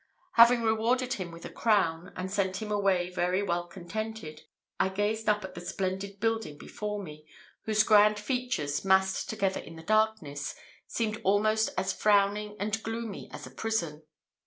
Having rewarded him with a crown, and sent him away well contented, I gazed up at the splendid building before me, whose grand features, massed together in the darkness, seemed almost as frowning and gloomy as a prison.